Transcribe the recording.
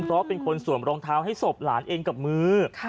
เพราะเป็นคนสวมรองเท้าให้ศพหลานเองกับมือ